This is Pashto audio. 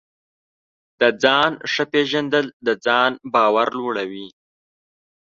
د ځان ښه پېژندل د ځان باور لوړوي.